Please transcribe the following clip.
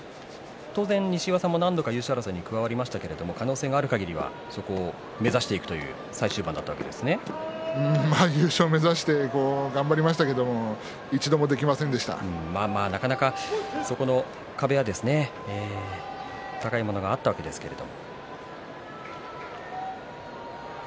当然、西岩さんも何度か優勝争いに加わりましたけど可能性があるかぎりはそこを目指していくという優勝を目指して頑張りましたけど一度もできまなかなかそこの壁は高いものがあったわけですけど。